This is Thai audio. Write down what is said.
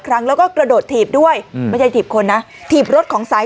ครั้งแล้วก็กระโดดถีบด้วยอืมไม่ใช่ถีบคนนะถีบรถของสาย